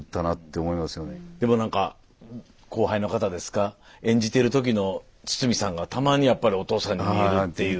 でも何か後輩の方ですか演じてる時の堤さんがたまにやっぱりお父さんに似るっていう。